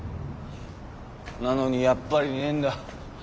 なのにやっぱりねーんだ。